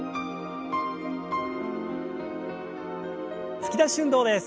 突き出し運動です。